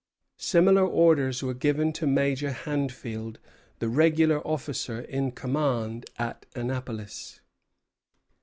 Similar orders were given to Major Handfield, the regular officer in command at Annapolis.